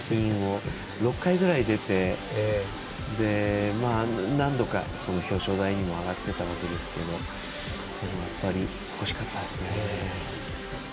６回ぐらい出て何度か表彰台にも上がっていたわけですがやっぱり、欲しかったですね。